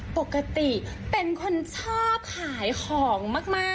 ปกติเป็นคนชอบขายของมาก